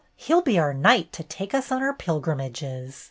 He 'll be our knight to take us on our pilgrimages.